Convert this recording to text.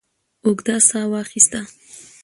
اوږده ساه واخسته.